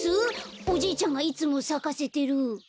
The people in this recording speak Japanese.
おじいちゃんがいつもさかせてる。